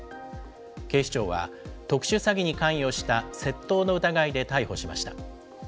警視庁は、特殊詐欺に関与した窃盗の疑いで逮捕しました。